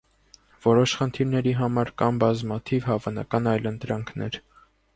Որոշ խնդիրների համար կան բազմաթիվ հավանական այլընտրանքներ։